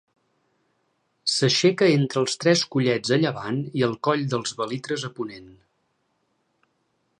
S'aixeca entre els Tres Collets a llevant i el coll dels Belitres a ponent.